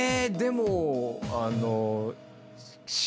⁉でもあの。